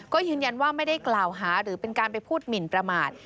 ก็ยืนยันว่าไม่ได้กล่าวหาหรือเป็นการไปพูดหมินประมาท